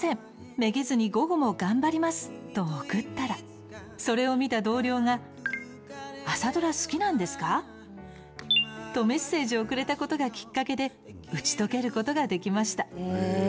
めげずに午後も頑張ります」と送ったらそれを見た同僚が「朝ドラ好きなんですか？」とメッセージをくれたことがきっかけで打ち解けることができました。